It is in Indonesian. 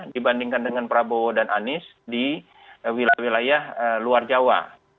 dibandingkan dengan prabowo dan anies di wilayah wilayah luar jawa